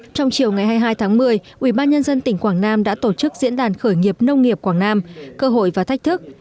trong chiều ngày hai mươi hai tháng một mươi ubnd tỉnh quảng nam đã tổ chức diễn đàn khởi nghiệp nông nghiệp quảng nam cơ hội và thách thức